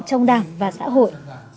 trong đảng và xã hội